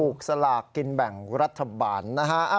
สลากกินแบ่งรัฐบาลนะฮะ